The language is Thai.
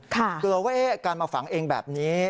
กลัวว่าการมาฝังเองแบบนี้